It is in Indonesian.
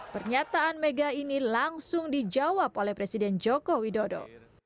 pernyataan mega ini langsung dijawab oleh presiden joko widodo